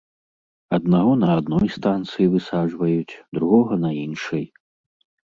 Аднаго на адной станцыі высаджваюць, другога на іншай.